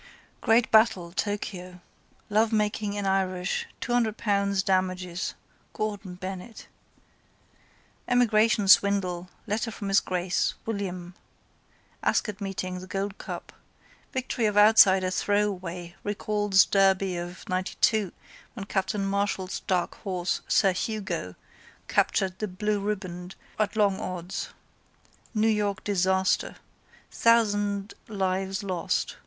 Great battle, Tokio. Lovemaking in Irish, £ 200 damages. Gordon Bennett. Emigration Swindle. Letter from His Grace. William ✠. Ascot meeting, the Gold Cup. Victory of outsider Throwaway recalls Derby of '92 when Capt. Marshall's dark horse Sir Hugo captured the blue ribband at long odds. New York disaster. Thousand lives lost.